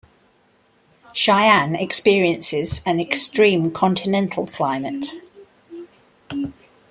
Sheyenne experiences an extreme Continental climate.